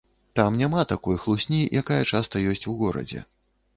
Там няма такой хлусні, якая часта ёсць у горадзе.